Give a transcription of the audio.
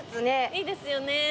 いいですよね。